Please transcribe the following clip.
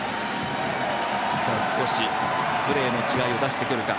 少しプレーの違いを出してくるか。